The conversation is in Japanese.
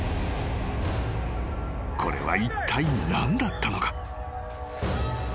［これはいったい何だったのか？］